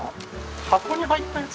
箱に入ったやつ？